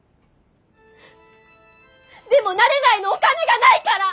でもなれないのお金がないから！